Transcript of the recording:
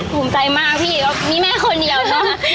ภูมิใจมากพี่นี่แม่คนเดียวนะ